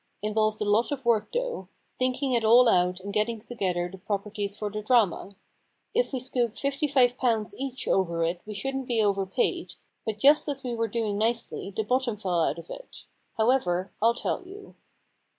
Involved a lot of work though — thinking it all out and getting together the properties for the drama. If we scooped fifty five pounds each over it we shouldn't be overpaid, but just as we were doing nicely the bottom fell out of it. How ever, I'll tell you.'